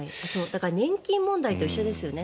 年金問題と一緒ですよね。